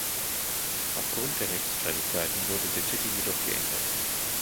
Auf Grund der Rechtsstreitigkeiten wurde der Titel jedoch geändert.